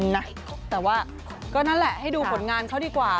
แต่ว่าก็นั่นแหละให้ดูผลงานเขาดีกว่า